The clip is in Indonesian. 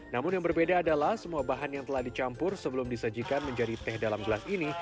namun yang berbeda adalah semua bahan yang telah dicampur sebelum disajikan menjadi teh dalam gelang ini